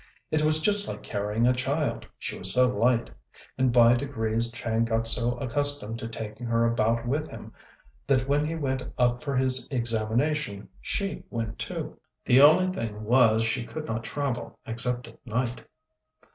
It was just like carrying a child, she was so light; and by degrees Chang got so accustomed to taking her about with him, that when he went up for his examination she went in too. The only thing was she could not travel except at night.